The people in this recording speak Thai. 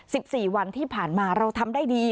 สิบสี่วันที่ผ่านมาเราทำได้ดี